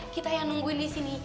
kita yang nungguin disini